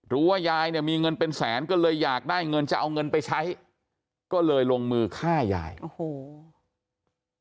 รู้ว่ายายเนี่ยมีเงินเป็นแสนก็เลยอยากได้เงินจะเอาเงินไปใช้ก็เลยลงมือฆ่ายายโอ้โห